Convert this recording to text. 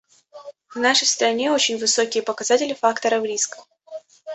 В нашей стране очень высокие показатели факторов риска.